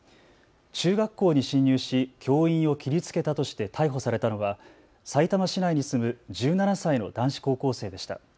中学校に侵入し教員を切りつけたとして逮捕されたのはさいたま市内に住む１７歳の男子高校生でした。